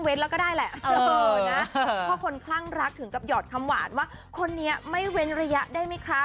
เพราะคนคั่งรักถึงกับหยอดคำหวานว่าคนนี้ไม่เว้นระยะได้ไหม